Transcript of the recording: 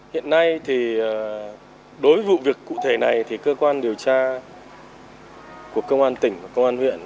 hiện nay thì đối với vụ việc cụ thể này thì cơ quan điều tra của công an tỉnh và công an huyện